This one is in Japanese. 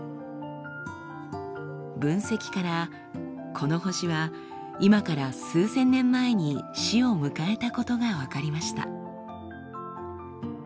分析からこの星は今から数千年前に死を迎えたことが分かりました。